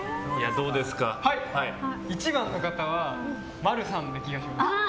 １番の方は丸さんな気がします。